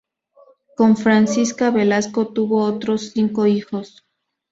Con Francisca Velasco tuvo otros cinco hijos.